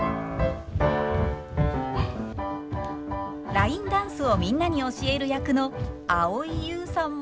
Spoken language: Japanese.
ラインダンスをみんなに教える役の蒼井優さんも。